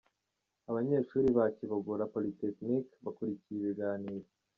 Abanyeshuri ba Kibogora Polytechnic bakurikiye ibiganiro.